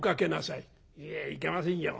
「いえいけませんよ。